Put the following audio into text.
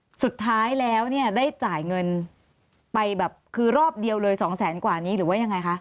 สุดท้ายแล้วเนี่ยได้จ่ายเงินไปแบบคือรอบเดียวเลยสองแสนกว่านี้หรือว่ายังไงคะ